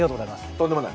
とんでもない。